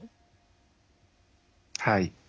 はい。